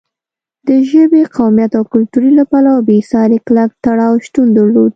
د ژبې، قومیت او کلتور له پلوه بېساری کلک تړاو شتون درلود.